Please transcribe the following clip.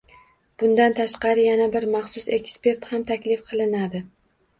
Bundan tashqari yana bir maxsus ekspert ham taklif qilinadi.